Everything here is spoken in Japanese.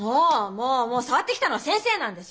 もうもう触ってきたのは先生なんですよ。